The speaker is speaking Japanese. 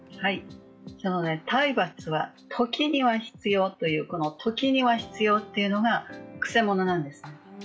体罰は時には必要という、この時には必要というのがくせ者なんです。